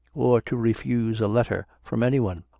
or to refuse a letter from any one?